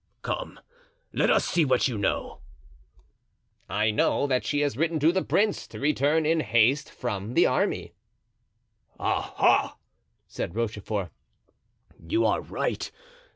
"Come, let us see what you know." "I know that she has written to the prince to return in haste from the army." "Ah! ha!" said Rochefort, "you are right.